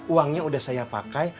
uangnya udah saya pakai